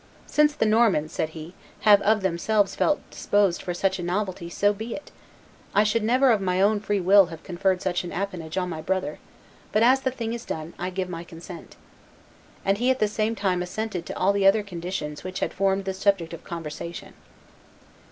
"Since the Normans," said he, "have of themselves felt disposed for such a novelty, so be it! I should never of my own free will have conferred such an appanage on my brother; but, as the thing is done, I give my consent." And he at the same time assented to all the other conditions which had formed the subject of conversation.